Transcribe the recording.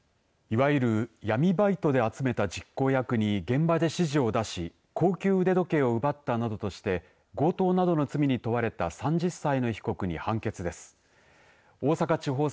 いわゆる闇バイトで集めた実行役に現場で指示を出し高級腕時計を奪ったなどとして強盗などの罪に問われた３０歳の被告に判決です。